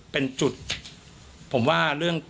เป็นจุดผมว่าเรื่อง